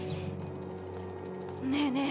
ねえねえ